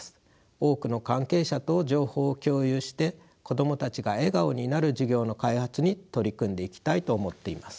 多くの関係者と情報を共有して子供たちが笑顔になる授業の開発に取り組んでいきたいと思っています。